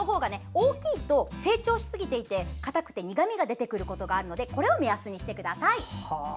大きいと成長しすぎていてかたくて苦みが出てくることがあるのでこれを目安にしてください。